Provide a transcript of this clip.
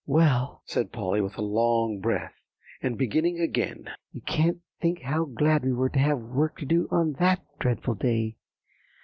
"Well," said Polly with a long breath, and beginning again, "you can't think how glad we were to have work to do on that dreadful day.